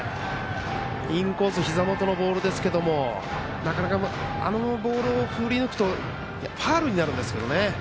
インコースひざ元のボールですけどあのボールを振り抜くとファウルになるんですけどね。